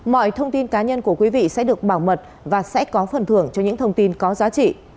mọi thông tin cá nhân của quý vị sẽ được bảo mật và sẽ có phần thưởng cho những thông tin có giá trị